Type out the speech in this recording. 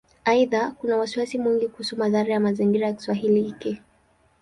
Aidha, kuna wasiwasi mwingi kuhusu madhara ya mazingira ya Kisiwa hiki.